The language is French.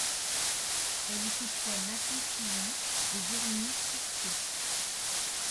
Elle y côtoie Nathan Fillion et Jeremy Sisto.